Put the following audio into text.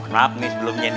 maaf nih sebelumnya nih ya